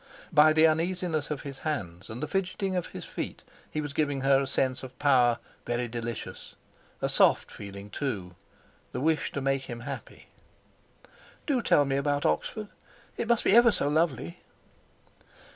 By the uneasiness of his hands and the fidgeting of his feet he was giving her a sense of power very delicious; a soft feeling too—the wish to make him happy. "Do tell me about Oxford. It must be ever so lovely."